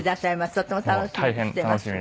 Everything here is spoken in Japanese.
とても楽しみにしています。